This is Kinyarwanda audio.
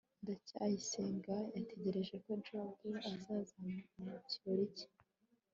ndacyayisenga yatekereje ko jabo azaza mu kirori cye